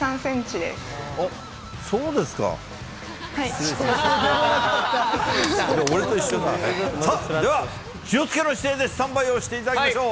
では、気をつけの姿勢でスタンバイをしていただきましょう。